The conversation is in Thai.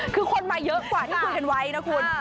คือคนมาเยอะกว่าที่คุยกันไว้นะคุณ